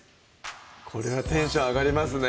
これはテンション上がりますね